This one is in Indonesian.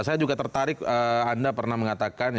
saya juga tertarik anda pernah mengatakan